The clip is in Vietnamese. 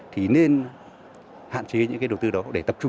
thì nên hạn chế những cái đầu tư đó để tập trung